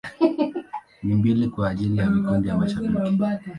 Na mbili kwa ajili ya vikundi vya mashabiki.